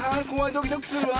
ドキドキするわ。